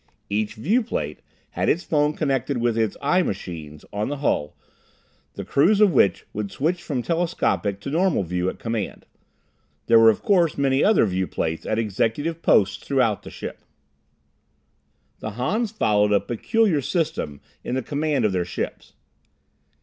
Each viewplate had its phone connecting with its "eye machines" on the hull, the crews of which would switch from telescopic to normal view at command. There were, of course, many other viewplates at executive posts throughout the ship. The Hans followed a peculiar system in the command of their ships.